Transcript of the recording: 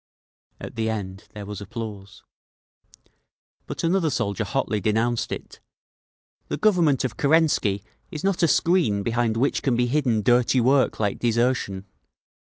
At the end there was applause. But another soldier hotly denounced it: "The Government of Kerensky is not a screen behind which can be hidden dirty work like desertion!